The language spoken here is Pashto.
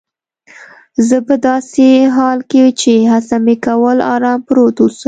زه په داسې حال کې چي هڅه مې کول آرام پروت اوسم.